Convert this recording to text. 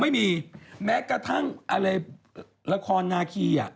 ไม่มีแม้กระทั่งอะไรละครนาคีอ่ะ